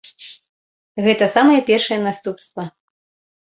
Гэта самае першае наступства.